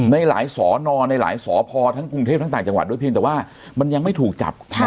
ในหลายสอนอในหลายสพทั้งกรุงเทพทั้งต่างจังหวัดด้วยเพียงแต่ว่ามันยังไม่ถูกจับ